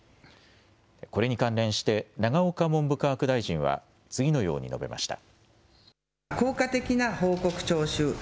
これに関連して永岡文部科学大臣は次のように述べました。